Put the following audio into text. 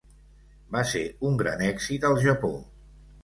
Va ser un gran èxit al Japó.